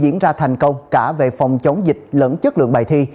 diễn ra thành công cả về phòng chống dịch lẫn chất lượng bài thi